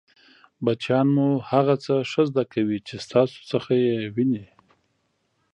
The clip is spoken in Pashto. بچیان مو هغه څه ښه زده کوي چې ستاسو څخه يې ویني!